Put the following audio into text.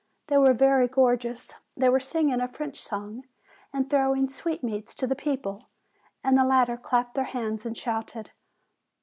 They were very gorgeous. They were sing ing a French song and throwing sweetmeats to the people, and the latter clapped their hands and shouted.